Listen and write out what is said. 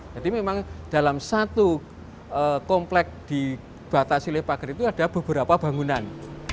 jadi memang dalam satu komplek di batas silip pagar itu ada beberapa bangunan